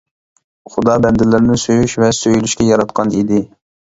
خۇدا بەندىلىرىنى سۆيۈش ۋە سۆيۈلۈشكە ياراتقان ئىدى.